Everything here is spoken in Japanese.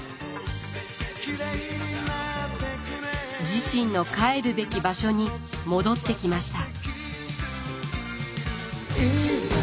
自身の帰るべき場所に戻ってきました。